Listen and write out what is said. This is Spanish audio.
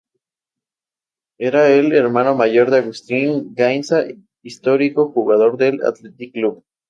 Era el hermano mayor de Agustín Gainza, histórico jugador del Athletic Club.